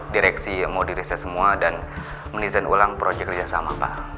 direksi mau dirise semua dan mendesain ulang proyek kerjasama pak